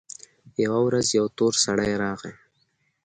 يوه ورځ يو تور سړى راغى.